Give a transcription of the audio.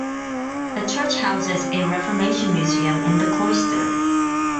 The church houses a Reformation museum in the cloister.